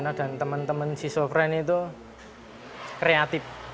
giana dan teman teman sisyofren itu kreatif